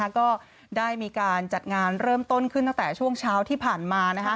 ก็ได้มีการจัดงานเริ่มต้นขึ้นตั้งแต่ช่วงเช้าที่ผ่านมา